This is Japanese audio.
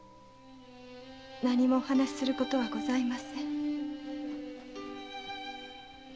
何もお話する事はごさいません。